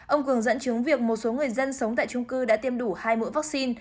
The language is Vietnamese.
ông cường dẫn chứng việc một số người dân sống tại trung cư đã tiêm đủ hai mũi vaccine